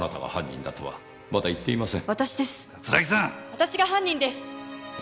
私が犯人です！